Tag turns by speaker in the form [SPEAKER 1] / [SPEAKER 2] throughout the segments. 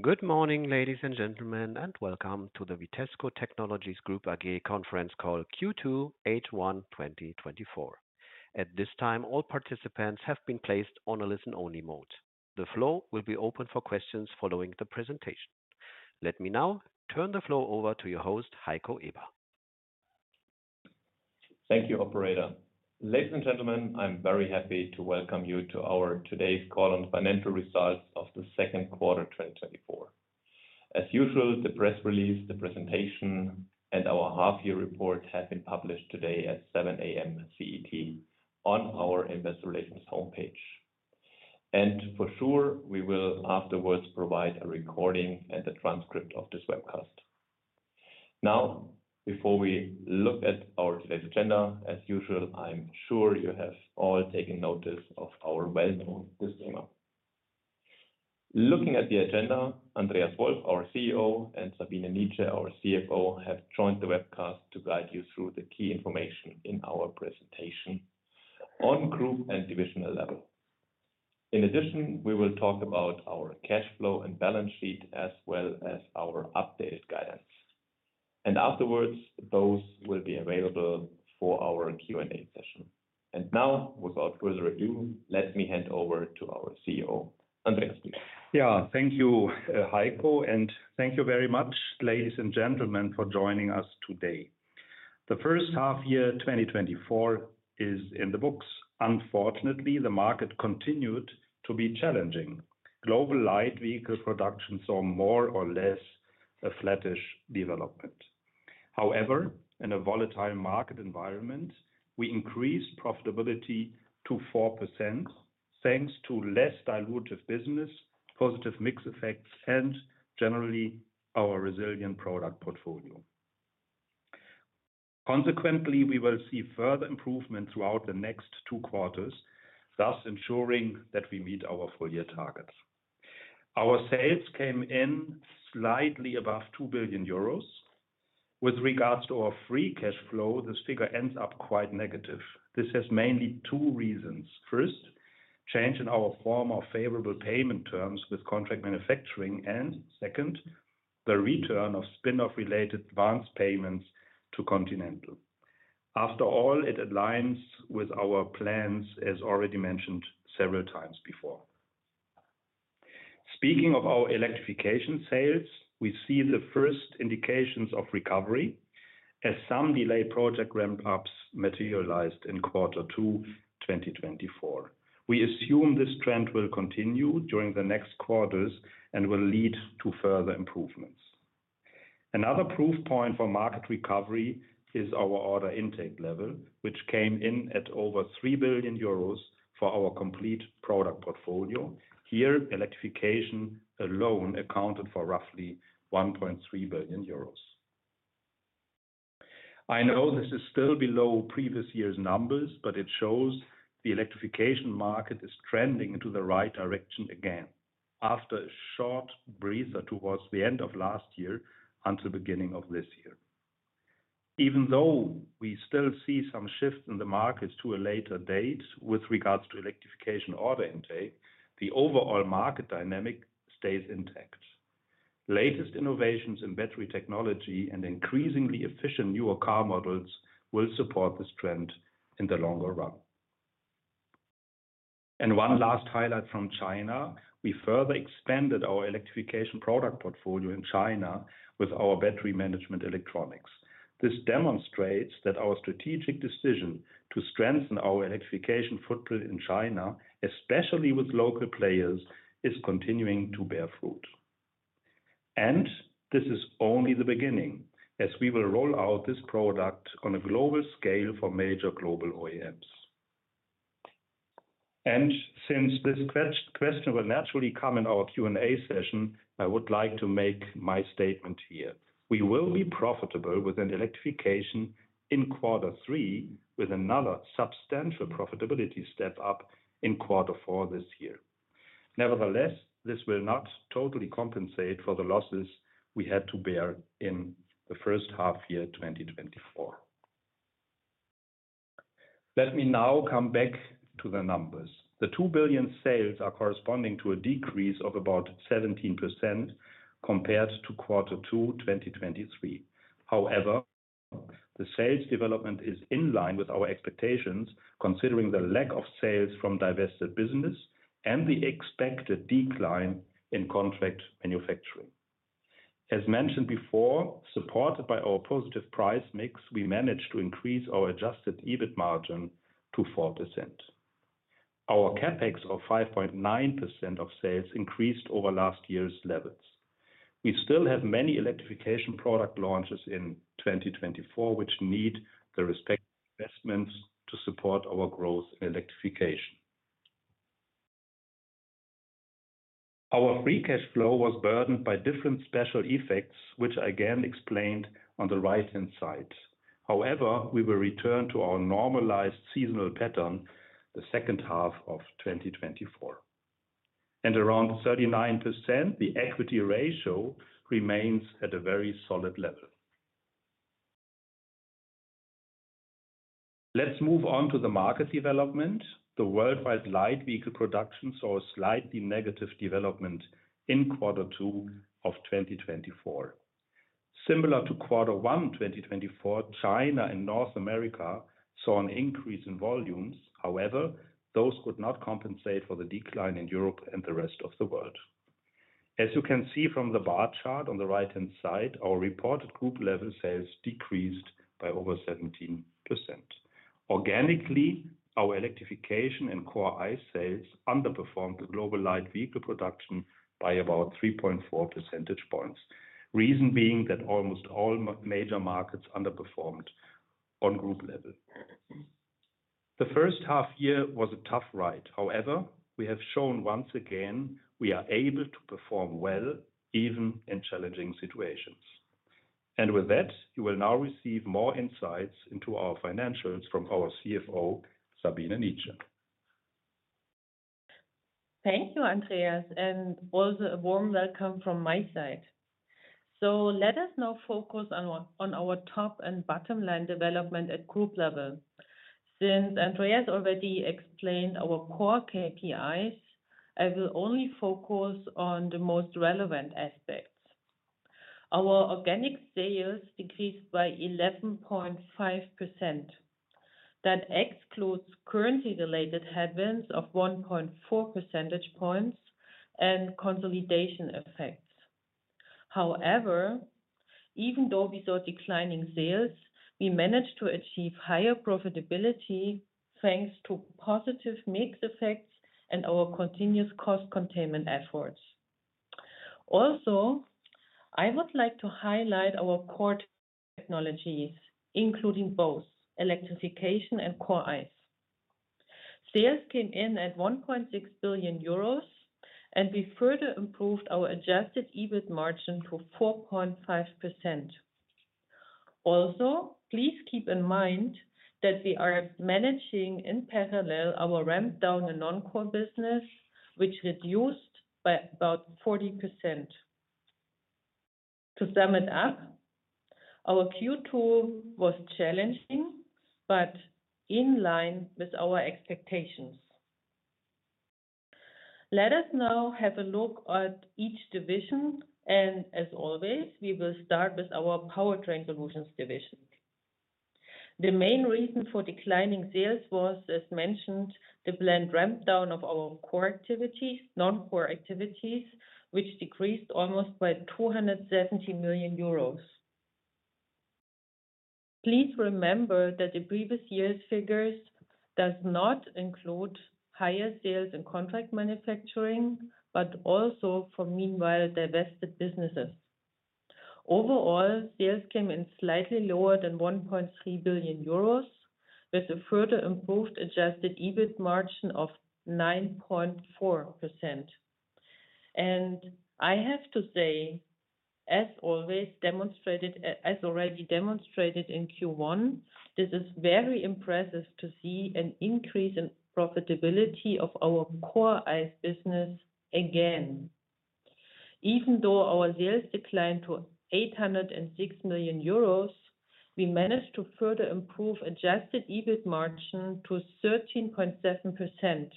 [SPEAKER 1] Good morning, ladies and gentlemen, and welcome to the Vitesco Technologies Group AG conference call, Q2 H1 2024. At this time, all participants have been placed on a listen-only mode. The floor will be open for questions following the presentation. Let me now turn the floor over to your host, Heiko Eber.
[SPEAKER 2] Thank you, operator. Ladies and gentlemen, I'm very happy to welcome you to our today's call on financial results of the second quarter, 2024. As usual, the press release, the presentation, and our half-year report have been published today at 7:00 A.M. CET on our investor relations homepage. And for sure, we will afterwards provide a recording and a transcript of this webcast. Now, before we look at our today's agenda, as usual, I'm sure you have all taken notice of our well-known disclaimer. Looking at the agenda, Andreas Wolf, our CEO, and Sabine Nitzsche, our CFO, have joined the webcast to guide you through the key information in our presentation on group and divisional level. In addition, we will talk about our cash flow and balance sheet, as well as our updated guidance. And afterwards, those will be available for our Q&A session. Now, without further ado, let me hand over to our CEO, Andreas, please.
[SPEAKER 3] Yeah. Thank you, Heiko, and thank you very much, ladies and gentlemen, for joining us today. The first half year, 2024, is in the books. Unfortunately, the market continued to be challenging. Global light vehicle production saw more or less a flattish development. However, in a volatile market environment, we increased profitability to 4%, thanks to less dilutive business, positive mix effects, and generally, our resilient product portfolio. Consequently, we will see further improvement throughout the next two quarters, thus ensuring that we meet our full-year targets. Our sales came in slightly above 2 billion euros. With regards to our free cash flow, this figure ends up quite negative. This has mainly two reasons. First, change in our former favorable payment terms with Contract Manufacturing, and second, the return of spin-off related advance payments to Continental. After all, it aligns with our plans, as already mentioned several times before. Speaking of our Electrification sales, we see the first indications of recovery as some delayed project ramp-ups materialized in quarter two, 2024. We assume this trend will continue during the next quarters and will lead to further improvements. Another proof point for market recovery is our order intake level, which came in at over 3 billion euros for our complete product portfolio. Here, Electrification alone accounted for roughly 1.3 billion euros. I know this is still below previous year's numbers, but it shows the Electrification market is trending into the right direction again, after a short breather towards the end of last year, until the beginning of this year. Even though we still see some shifts in the markets to a later date with regards to Electrification order intake, the overall market dynamic stays intact. Latest innovations in battery technology and increasingly efficient newer car models will support this trend in the longer run. And one last highlight from China, we further expanded our Electrification product portfolio in China with our battery management electronics. This demonstrates that our strategic decision to strengthen our Electrification footprint in China, especially with local players, is continuing to bear fruit. And this is only the beginning, as we will roll out this product on a global scale for major global OEMs. And since this question will naturally come in our Q&A session, I would like to make my statement here. We will be profitable within Electrification in quarter three, with another substantial profitability step up in quarter four this year. Nevertheless, this will not totally compensate for the losses we had to bear in the first half year, 2024. Let me now come back to the numbers. The 2 billion sales are corresponding to a decrease of about 17% compared to quarter two, 2023. However, the sales development is in line with our expectations, considering the lack of sales from divested business and the expected decline in Contract Manufacturing. As mentioned before, supported by our positive price mix, we managed to increase our adjusted EBIT margin to 4%. Our CapEx of 5.9% of sales increased over last year's levels. We still have many Electrification product launches in 2024, which need the respective investments to support our growth in Electrification. Our free cash flow was burdened by different special effects, which are again explained on the right-hand side. However, we will return to our normalized seasonal pattern the second half of 2024. And around 39%, the equity ratio remains at a very solid level. Let's move on to the market development. The worldwide light vehicle production saw a slightly negative development in quarter two of 2024. Similar to quarter one, 2024, China and North America saw an increase in volumes. However, those could not compensate for the decline in Europe and the rest of the world. As you can see from the bar chart on the right-hand side, our reported group level sales decreased by over 17%. Organically, our Electrification and Core ICE sales underperformed the global light vehicle production by about 3.4 percentage points. Reason being that almost all major markets underperformed on group level. The first half year was a tough ride. However, we have shown once again, we are able to perform well, even in challenging situations. And with that, you will now receive more insights into our financials from our CFO, Sabine Nitzsche.
[SPEAKER 4] Thank you, Andreas, and also a warm welcome from my side. Let us now focus on our top and bottom line development at group level. Since Andreas already explained our core KPIs, I will only focus on the most relevant aspects. Our organic sales decreased by 11.5%. That excludes currency-related headwinds of 1.4 percentage points and consolidation effects. However, even though we saw declining sales, we managed to achieve higher profitability, thanks to positive mix effects and our continuous cost containment efforts. Also, I would like to highlight our core technologies, including both Electrification and Core ICE. Sales came in at 1.6 billion euros, and we further improved our adjusted EBIT margin to 4.5%. Also, please keep in mind that we are managing in parallel our ramp-down in Non-Core business, which reduced by about 40%. To sum it up, our Q2 was challenging, but in line with our expectations. Let us now have a look at each division, and as always, we will start with our Powertrain Solutions division. The main reason for declining sales was, as mentioned, the planned ramp-down of our Core activities, Non-Core activities, which decreased almost by 270 million euros. Please remember that the previous year's figures does not include higher sales in Contract Manufacturing, but also for meanwhile, divested businesses. Overall, sales came in slightly lower than 1.3 billion euros, with a further improved adjusted EBIT margin of 9.4%. And I have to say, as always demonstrated, as already demonstrated in Q1, this is very impressive to see an increase in profitability of our Core ICE business again. Even though our sales declined to 806 million euros, we managed to further improve adjusted EBIT margin to 13.7%.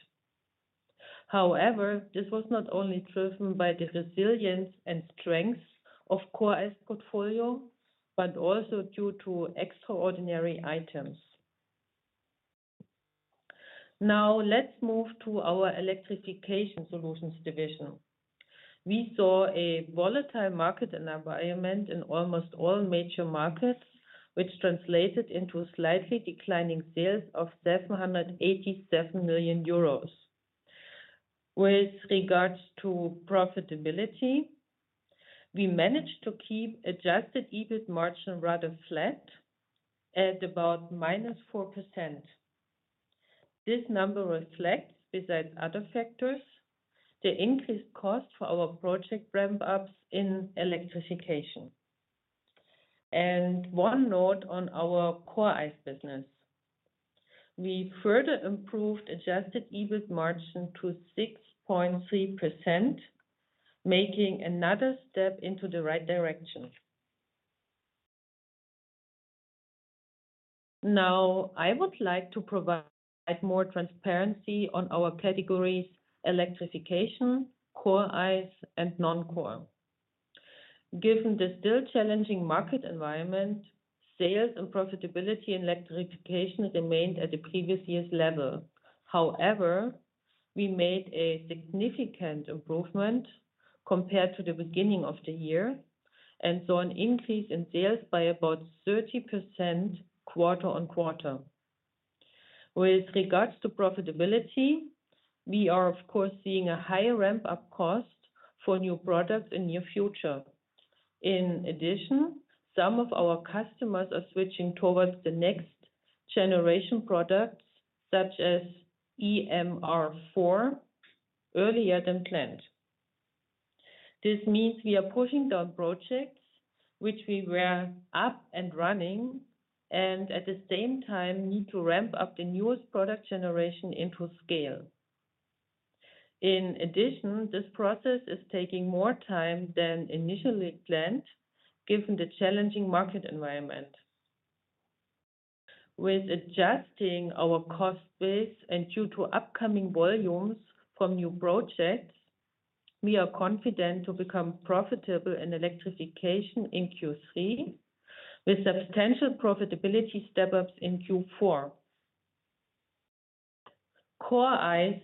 [SPEAKER 4] However, this was not only driven by the resilience and strength of Core ICE portfolio, but also due to extraordinary items. Now, let's move to our Electrification Solutions division. We saw a volatile market environment in almost all major markets, which translated into slightly declining sales of 787 million euros. With regards to profitability, we managed to keep adjusted EBIT margin rather flat at about -4%. This number reflects, besides other factors, the increased cost for our project ramp-ups in Electrification. One note on our Core ICE business, we further improved adjusted EBIT margin to 6.3%, making another step into the right direction. Now, I would like to provide more transparency on our categories, Electrification, Core ICE, and Non-Core. Given the still challenging market environment, sales and profitability in Electrification remained at the previous year's level. However, we made a significant improvement compared to the beginning of the year, and saw an increase in sales by about 30% quarter-over-quarter. With regards to profitability, we are, of course, seeing a higher ramp-up cost for new products in near future. In addition, some of our customers are switching towards the next generation products, such as EMR4, earlier than planned. This means we are pushing down projects which we were up and running, and at the same time, need to ramp up the newest product generation into scale. In addition, this process is taking more time than initially planned, given the challenging market environment. With adjusting our cost base and due to upcoming volumes from new projects, we are confident to become profitable in Electrification in Q3, with substantial profitability step-ups in Q4. Core ICE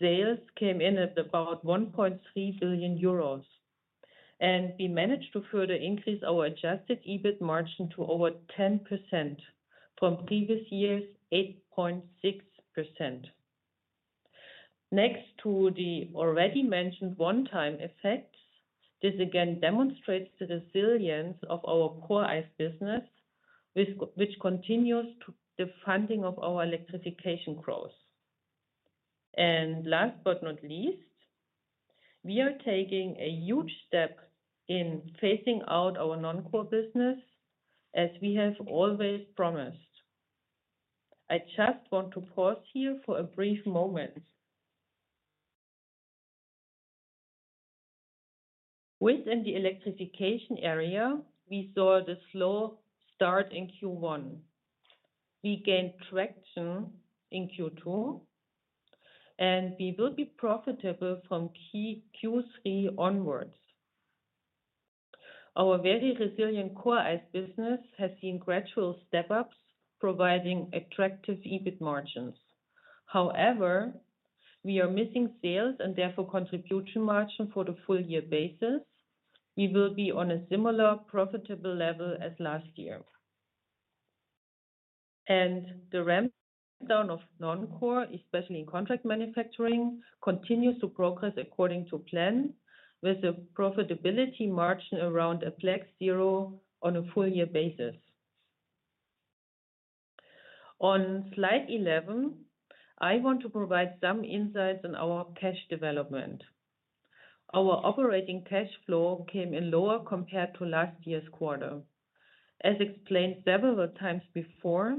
[SPEAKER 4] sales came in at about 1.3 billion euros, and we managed to further increase our adjusted EBIT margin to over 10% from previous year's 8.6%. Next to the already mentioned one-time effect, this again demonstrates the resilience of our Core ICE business, which continues to the funding of our Electrification growth. And last but not least, we are taking a huge step in phasing out our Non-Core business, as we have always promised. I just want to pause here for a brief moment. Within the Electrification area, we saw the slow start in Q1. We gained traction in Q2, and we will be profitable from Q3 onwards. Our very resilient Core ICE business has seen gradual step-ups, providing attractive EBIT margins. However, we are missing sales and therefore contribution margin for the full year basis. We will be on a similar profitable level as last year. The ramp down of Non-Core, especially in Contract Manufacturing, continues to progress according to plan, with a profitability margin around a flat zero on a full year basis. On slide 11, I want to provide some insights on our cash development. Our operating cash flow came in lower compared to last year's quarter. As explained several times before,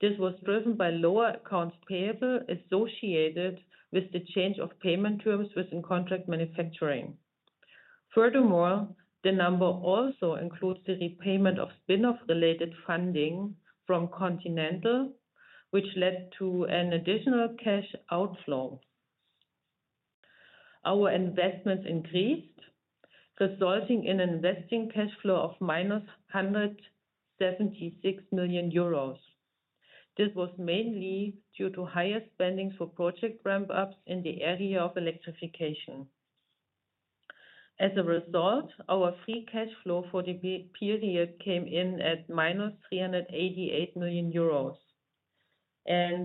[SPEAKER 4] this was driven by lower accounts payable associated with the change of payment terms within Contract Manufacturing. Furthermore, the number also includes the repayment of spin-off related funding from Continental, which led to an additional cash outflow. Our investments increased, resulting in investing cash flow of -176 million euros. This was mainly due to higher spending for project ramp-ups in the area of Electrification. As a result, our free cash flow for the period came in at -388 million euros.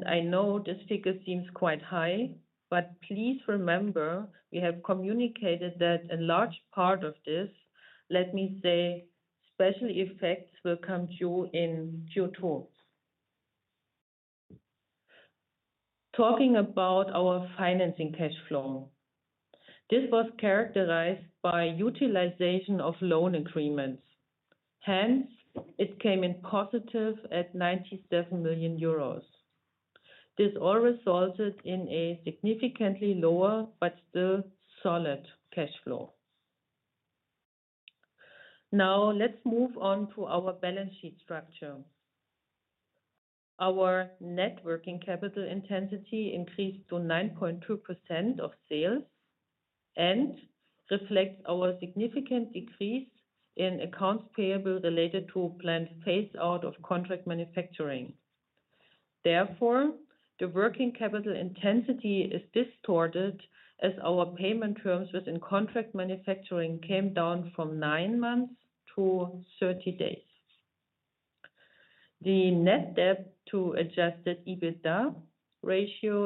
[SPEAKER 4] I know this figure seems quite high, but please remember, we have communicated that a large part of this, let me say, special effects, will come due in Q2. Talking about our financing cash flow. This was characterized by utilization of loan agreements, hence, it came in positive at 97 million euros. This all resulted in a significantly lower but still solid cash flow. Now, let's move on to our balance sheet structure. Our net working capital intensity increased to 9.2% of sales, and reflects our significant decrease in accounts payable related to planned phaseout of Contract Manufacturing. Therefore, the working capital intensity is distorted, as our payment terms within Contract Manufacturing came down from nine months to 30 days. The net debt to adjusted EBITDA ratio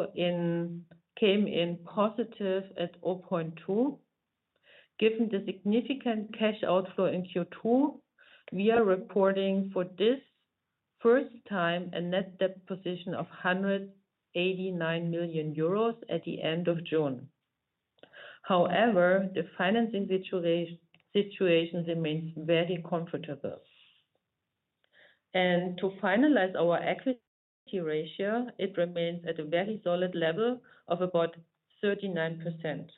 [SPEAKER 4] came in positive at 0.2. Given the significant cash outflow in Q2, we are reporting for the first time a net debt position of 189 million euros at the end of June. However, the financing situation remains very comfortable. To finalize our equity ratio, it remains at a very solid level of about 39%.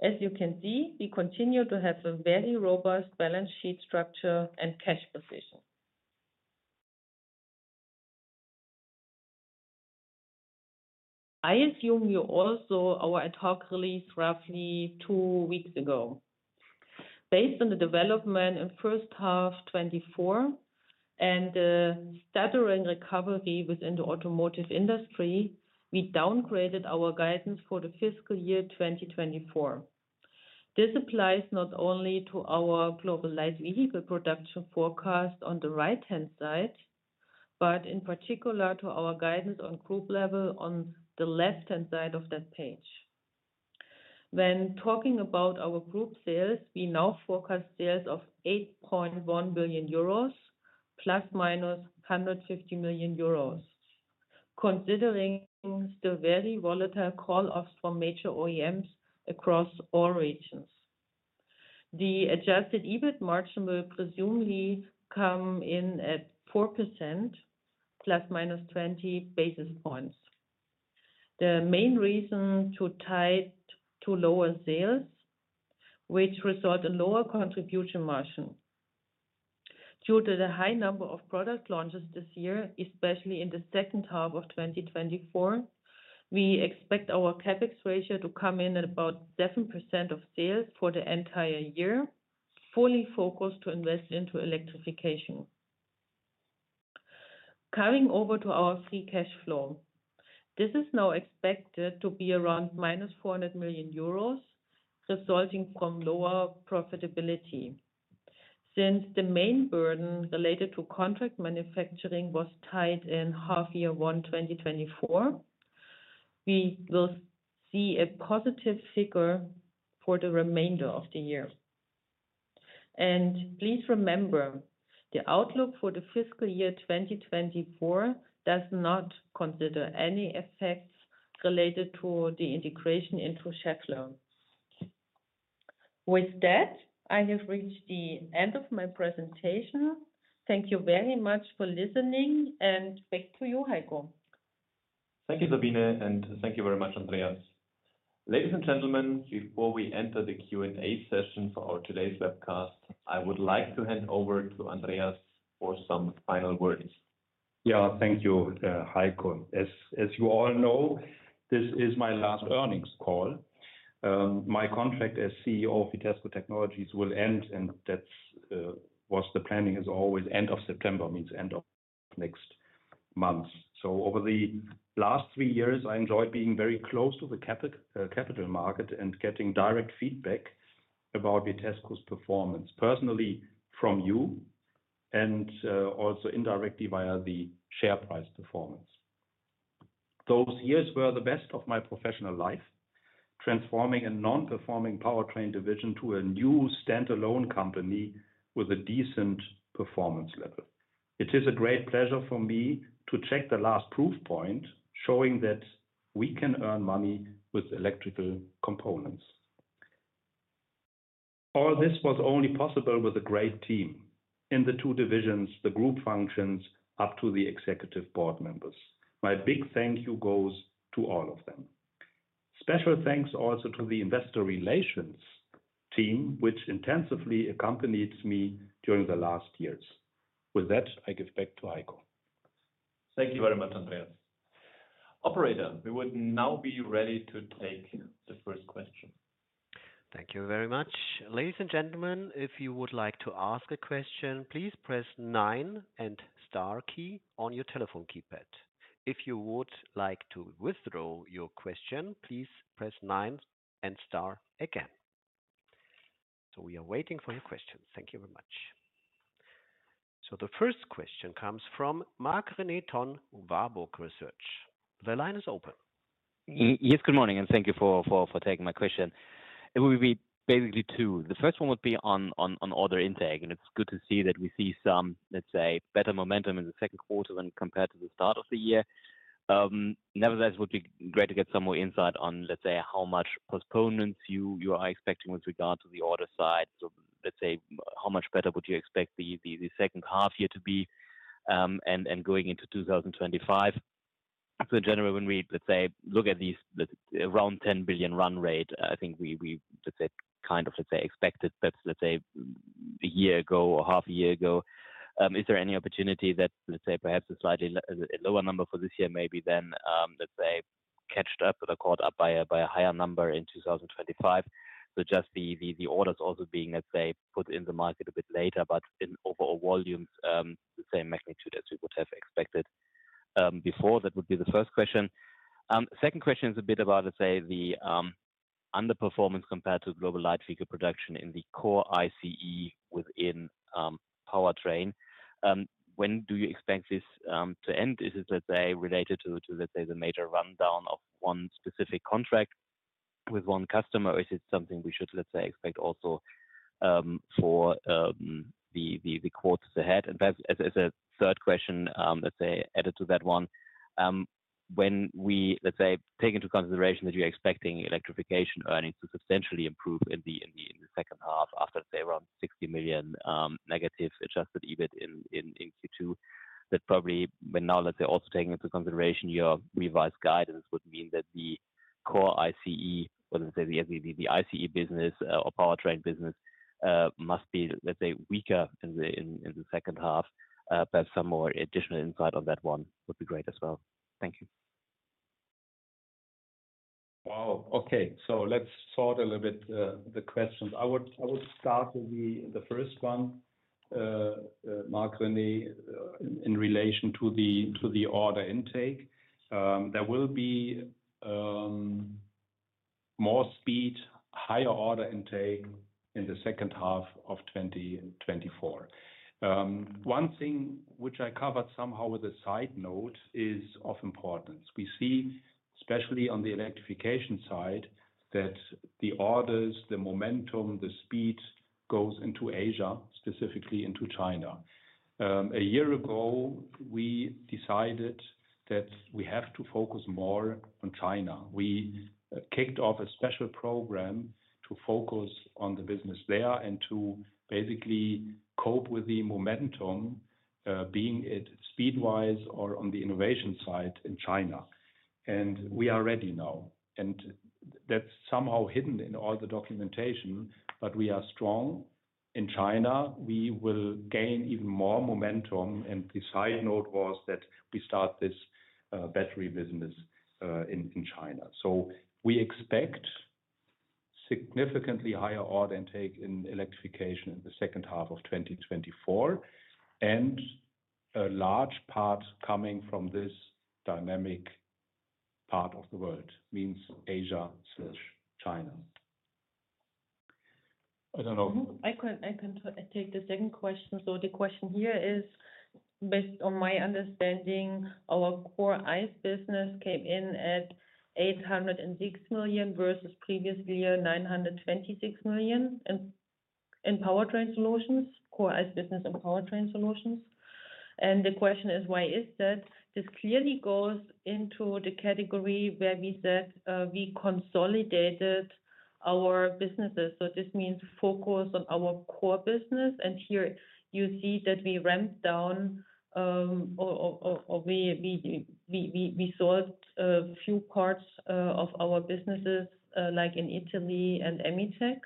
[SPEAKER 4] As you can see, we continue to have a very robust balance sheet structure and cash position. I assume you all saw our ad hoc release roughly two weeks ago. Based on the development in first half 2024 and the stuttering recovery within the automotive industry, we downgraded our guidance for the fiscal year 2024. This applies not only to our global light vehicle production forecast on the right-hand side, but in particular, to our guidance on group level on the left-hand side of that page. When talking about our group sales, we now forecast sales of 8.1 billion euros and ±150 million euros, considering the very volatile call-offs from major OEMs across all regions. The adjusted EBIT margin will presumably come in at 4% ±20 basis points. The main reason is tied to lower sales, which result in lower contribution margin. Due to the high number of product launches this year, especially in the second half of 2024, we expect our CapEx ratio to come in at about 7% of sales for the entire year, fully focused to invest into Electrification. Coming over to our free cash flow, this is now expected to be around -400 million euros, resulting from lower profitability. Since the main burden related to Contract Manufacturing was tied in half year 1 2024, we will see a positive figure for the remainder of the year. And please remember, the outlook for the fiscal year 2024 does not consider any effects related to the integration into Schaeffler. With that, I have reached the end of my presentation. Thank you very much for listening, and back to you, Heiko.
[SPEAKER 2] Thank you, Sabine, and thank you very much, Andreas. Ladies and gentlemen, before we enter the Q&A session for our today's webcast, I would like to hand over to Andreas for some final words.
[SPEAKER 3] Yeah, thank you, Heiko. As you all know, this is my last earnings call. My contract as CEO of Vitesco Technologies will end, and that's what the planning is always end of September, means end of next month. So over the last three years, I enjoyed being very close to the capital market and getting direct feedback about Vitesco's performance, personally from you, and also indirectly via the share price performance. Those years were the best of my professional life, transforming a non-performing Powertrain division to a new standalone company with a decent performance level. It is a great pleasure for me to check the last proof point, showing that we can earn money with electrical components. All this was only possible with a great team in the two divisions, the group functions, up to the executive board members. My big thank you goes to all of them. Special thanks also to the investor relations team, which intensively accompanied me during the last years. With that, I give back to Heiko.
[SPEAKER 2] Thank you very much, Andreas. Operator, we would now be ready to take the first question.
[SPEAKER 1] Thank you very much. Ladies and gentlemen, if you would like to ask a question, please press nine and star key on your telephone keypad. If you would like to withdraw your question, please press nine and star again. We are waiting for your questions. Thank you very much. The first question comes from Marc-René Tonn, Warburg Research. The line is open.
[SPEAKER 5] Yes, good morning, and thank you for taking my question. It will be basically two. The first one would be on order intake, and it's good to see that we see some, let's say, better momentum in the second quarter when compared to the start of the year. Nevertheless, it would be great to get some more insight on, let's say, how much postponements you are expecting with regard to the order side. So, let's say, how much better would you expect the second half year to be, and going into 2025? So in general, when we, let's say, look at the around 10 billion run rate, I think we, let's say, kind of expected that, let's say, a year ago or half a year ago. Is there any opportunity that, let's say, perhaps a slightly lower number for this year, maybe then, let's say, caught up by a higher number in 2025? So just the orders also being, let's say, put in the market a bit later, but in overall volumes, the same magnitude as we would have expected, before. That would be the first question. Second question is a bit about, let's say, the underperformance compared to global light vehicle production in the Core ICE within Powertrain. When do you expect this to end? Is it, let's say, related to the major ramp-down of one specific contract with one customer, or is it something we should, let's say, expect also for the quarters ahead? And that's as a third question, let's say, added to that one. When we, let's say, take into consideration that you're expecting Electrification earnings to substantially improve in the second half after, say, around 60 million negative adjusted EBIT in Q2, that probably, but now, let's say, also taking into consideration your revised guidance would mean that the Core ICE, or let's say, the ICE business, or Powertrain business, must be, let's say, weaker in the second half. But some more additional insight on that one would be great as well. Thank you.
[SPEAKER 3] Wow! Okay. So let's sort a little bit the questions. I would start with the first one, Marc-René, in relation to the order intake. There will be more speed, higher order intake in the second half of 2024. One thing which I covered somehow with a side note is of importance. We see, especially on the Electrification side, that the orders, the momentum, the speed goes into Asia, specifically into China. A year ago, we decided that we have to focus more on China. We kicked off a special program to focus on the business there and to basically cope with the momentum, being it speed-wise or on the innovation side in China. And we are ready now, and that's somehow hidden in all the documentation, but we are strong in China. We will gain even more momentum, and the side note was that we start this battery business in China. So we expect significantly higher order intake in Electrification in the second half of 2024, and a large part coming from this dynamic part of the world, means Asia/China. I don't know-
[SPEAKER 4] I can take the second question. So the question here is, based on my understanding, our Core ICE business came in at 806 million, versus previous year, 926 million, in Powertrain Solutions, Core ICE business and Powertrain Solutions. And the question is, why is that? This clearly goes into the category where we said we consolidated our businesses. So this means focus on our core business, and here you see that we ramped down, or we sold a few parts of our businesses, like in Italy and Emitec,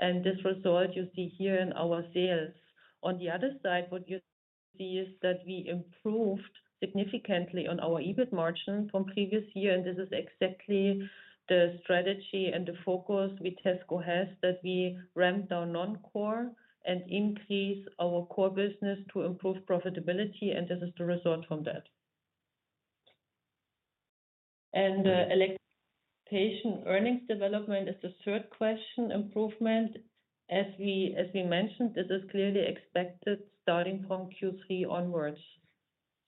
[SPEAKER 4] and this result you see here in our sales. On the other side, what you see is that we improved significantly on our EBIT margin from previous year, and this is exactly the strategy and the focus Vitesco has, that we ramp down Non-Core and increase our Core business to improve profitability, and this is the result from that. And, Electrification earnings development is the third question, improvement. As we, as we mentioned, this is clearly expected starting from Q3 onwards.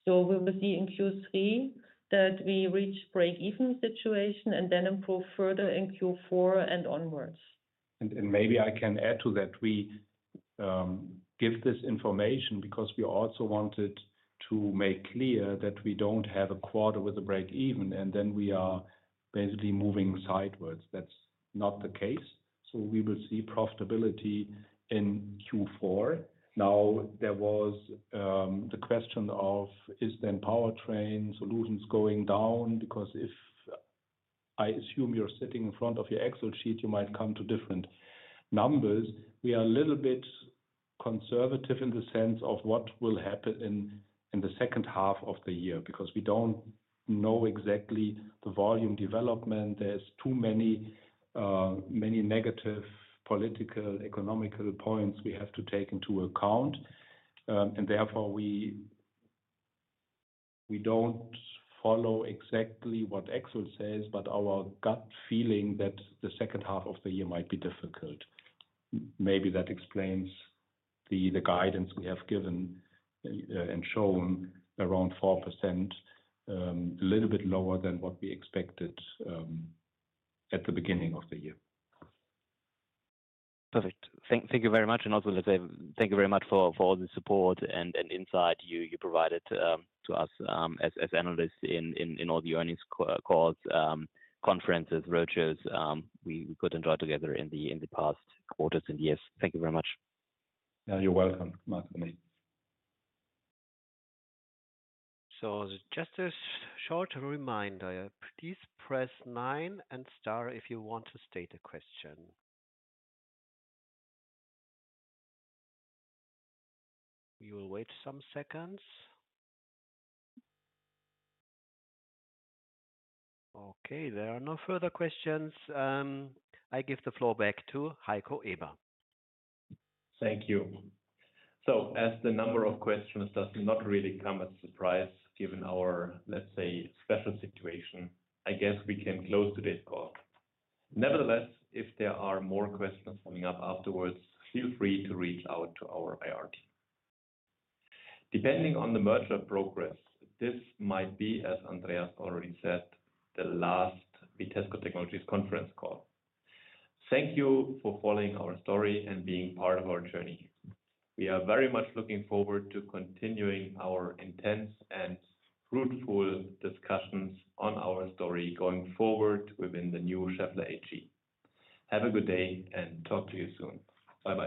[SPEAKER 4] So we will see in Q3 that we reach break-even situation and then improve further in Q4 and onwards.
[SPEAKER 3] Maybe I can add to that. We give this information because we also wanted to make clear that we don't have a quarter with a breakeven, and then we are basically moving sideways. That's not the case. So we will see profitability in Q4. Now, there was the question of, is then Powertrain Solutions going down? Because I assume you're sitting in front of your Excel sheet, you might come to different numbers. We are a little bit conservative in the sense of what will happen in the second half of the year, because we don't know exactly the volume development. There's too many negative political, economical points we have to take into account. Therefore, we don't follow exactly what Excel says, but our gut feeling that the second half of the year might be difficult. Maybe that explains the guidance we have given and shown around 4%, a little bit lower than what we expected at the beginning of the year.
[SPEAKER 5] Perfect. Thank you very much, and also, let's say thank you very much for all the support and insight you provided to us as analysts in all the earnings calls, conferences, roadshows we could enjoy together in the past quarters and years. Thank you very much.
[SPEAKER 3] Yeah, you're welcome, Marc-René.
[SPEAKER 1] Just a short reminder, please press nine and star if you want to state a question. We will wait some seconds. Okay, there are no further questions. I give the floor back to Heiko Eber.
[SPEAKER 2] Thank you. So as the number of questions does not really come as a surprise, given our, let's say, special situation, I guess we can close today's call. Nevertheless, if there are more questions coming up afterwards, feel free to reach out to our IR team. Depending on the merger progress, this might be, as Andreas already said, the last Vitesco Technologies conference call. Thank you for following our story and being part of our journey. We are very much looking forward to continuing our intense and fruitful discussions on our story going forward within the new Schaeffler AG. Have a good day, and talk to you soon. Bye-bye.